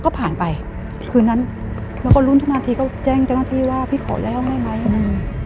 ก็ผ่านไปคืนนั้นแล้วก็ลุ้นทุกนาทีก็แจ้งเจ้าหน้าที่ว่าพี่ขอแล้วได้ไหมอืม